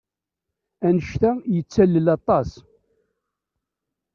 Anect-a yettalel aṭas.